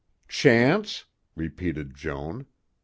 "Chance?" repeated Joan.